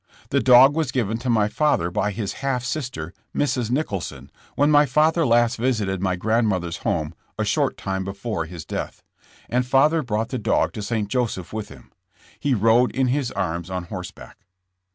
The dog was given to my father by his half sister, Mrs. Nicholson, when my father last visited my grandmother's home a short time before his death, and father brought the dog to St. Joseph with him. He rode in his arms on horse back.